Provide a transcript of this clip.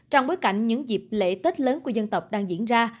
trong bối cảnh những dịp lễ tết lớn của dân tộc đang diễn ra